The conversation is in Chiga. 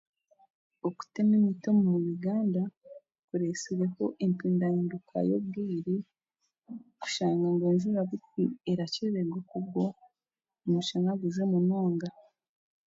Okutema emiti omu Uganda kuretsireho empindahinduka y'obwire kushanga enjura buti erakyera erikugwa omushana gujwe munonga